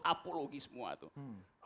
apologi semua tuh